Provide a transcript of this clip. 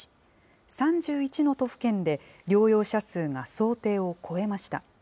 ３１の都府県で療養者数が想定を超えました。